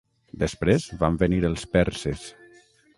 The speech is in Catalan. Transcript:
Després van venir els perses.